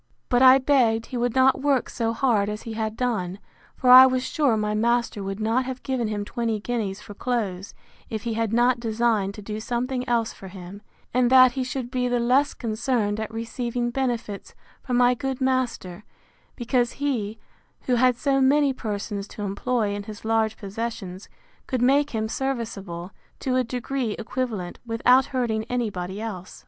But I begged he would not work so hard as he had done; for I was sure my master would not have given him twenty guineas for clothes, if he had not designed to do something else for him; and that he should be the less concerned at receiving benefits, from my good master, because he, who had so many persons to employ in his large possessions, could make him serviceable, to a degree equivalent, without hurting any body else.